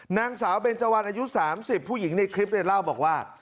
นางสาวเบนเจวันอายุ๓๐ผู้หญิงในคลิปเนี่ยเล่าบอกว่า